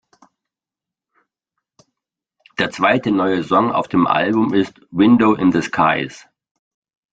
Der zweite neue Song auf dem Album ist "Window in the Skies".